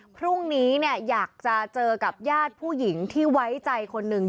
พรุ่งนี้อยากจะเจอกับญาติผู้หญิงที่ไว้ใจคนหนึ่ง